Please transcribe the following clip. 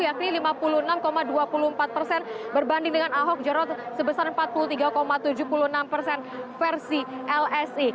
yakni lima puluh enam dua puluh empat persen berbanding dengan ahok jarot sebesar empat puluh tiga tujuh puluh enam persen versi lsi